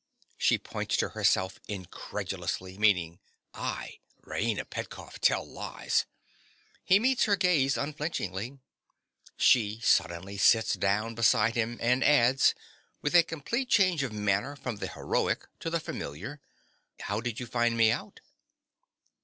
(_She points to herself incredulously, meaning "I, Raina Petkoff, tell lies!" He meets her gaze unflinchingly. She suddenly sits down beside him, and adds, with a complete change of manner from the heroic to the familiar_) How did you find me out?